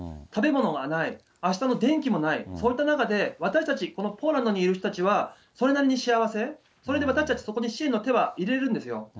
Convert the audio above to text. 食べ物がない、あしたの電気もない、そういった中で、私たち、このポーランドにいる人たちは、それなりに幸せ、それで私たち、そこで支援の手は入れれるんですよ。